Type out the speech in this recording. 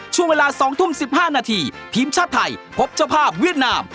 ช่วงเวลา๒ทุ่ม๑๕นาทีทีมชาติไทยพบเจ้าภาพเวียดนาม